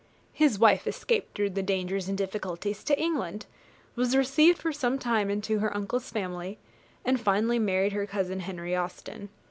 His wife escaped through dangers and difficulties to England, was received for some time into her uncle's family, and finally married her cousin Henry Austen.